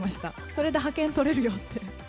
それで覇権取れるよって。